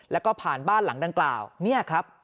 แล้วก็ผ่านบ้านหลังดังกล่าวเนี่ยครับ